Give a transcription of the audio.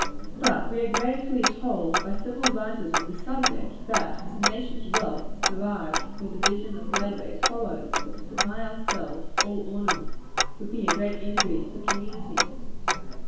But we are gravely told by several writers on this subject, that as a nation's wealth is derived from a division of labor, it follows, that to deny ourselves all ornament, would be a great injury to the community.